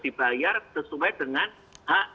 dibayar sesuai dengan hak